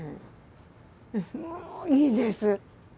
もういいです。